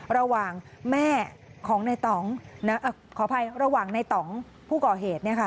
ระหว่างแม่ของในต่องขออภัยระหว่างในต่องผู้ก่อเหตุ